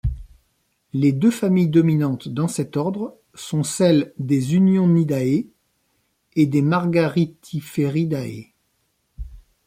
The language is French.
Les deux familles dominantes dans cet ordre sont celles des Unionidae et des Margaritiferidae.